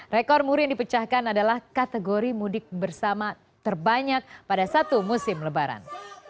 rekor muri yang dipecahkan adalah kategori mudik bersama terbanyak pada satu musim lebaran